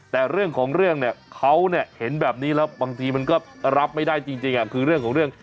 แต่เรื่องของเรื่องเนี่ยเขาเนี่ยเห็นแบบนี้แล้วบางทีมันก็รับไม่ได้จริงคือเรื่องของเรื่อง